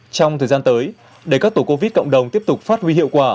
trong thời gian tới để các tổ covid cộng đồng tiếp tục phát huy hiệu quả